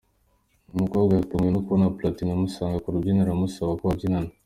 Uyu mukobwa yatunguwe no kubona Platini amusanga ku rubyiniro amusaba ko babyinana.